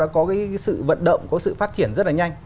có cái sự vận động có sự phát triển rất là nhanh